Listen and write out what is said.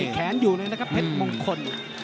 แขนอยู่เลยนะครับเพชรมงคล